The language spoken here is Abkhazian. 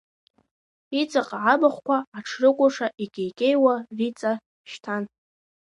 Иҵаҟа абахәқәа аҽрыкәырша Икеи-кеиуа Риҵа шьҭан!